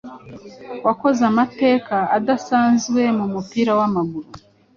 wakoze amateka adasanzwe mu mupira w’amaguru